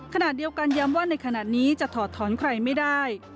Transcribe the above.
ขณะเดียวกันย้ำว่าในขณะนี้จะถอดถอนใครไม่ได้